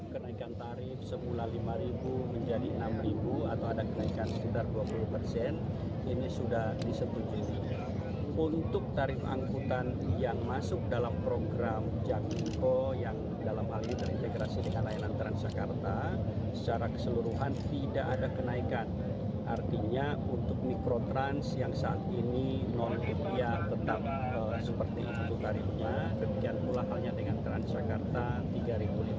tetap seperti itu tarifnya kemungkinan pula halnya dengan transjakarta rp tiga lima ratus